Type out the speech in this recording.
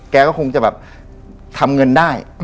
แกก็คงจะแบบทำเงินได้